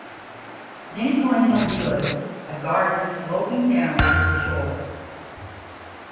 Many colonial villas have gardens sloping down to the shore.